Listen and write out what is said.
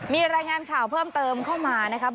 มีรายงานข่าวเพิ่มเติมเข้ามานะครับ